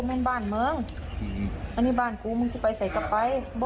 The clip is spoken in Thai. พบหากันบ๊อคปะ